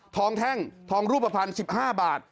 แท่งทองรูปภัณฑ์๑๕บาท